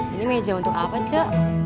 ini meja untuk apa cak